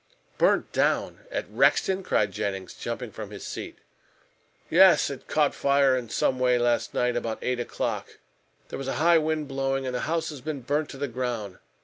"Burnt down at Rexton!" cried Jennings, jumping from his seat. "Yes. It caught fire in some way last night, about eight o'clock. There was a high wind blowing, and the house has been burnt to the ground.